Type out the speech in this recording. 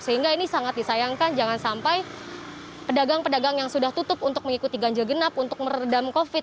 sehingga ini sangat disayangkan jangan sampai pedagang pedagang yang sudah tutup untuk mengikuti ganjil genap untuk meredam covid